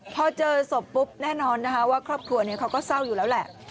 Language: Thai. พอเจอศพปุ๊บแน่นอนนะคะว่าครอบครัวนี้เขาก็เศร้าอยู่แล้วแหละ